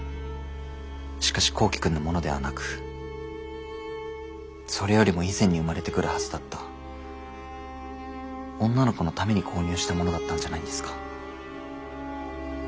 しかし幸希くんのものではなくそれよりも以前に生まれてくるはずだった女の子のために購入したものだったんじゃないんですか？